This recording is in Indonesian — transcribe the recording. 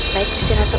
baik gusti ratu